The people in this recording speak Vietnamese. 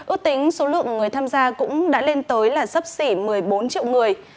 ước tính số lượng người tham gia cũng đã lên tới là sấp xỉ một mươi bốn triệu người